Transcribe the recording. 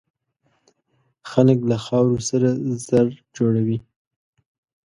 خلک له خاورو سره زر جوړوي.